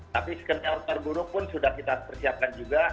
tapi skenario terburuk pun sudah kita persiapkan juga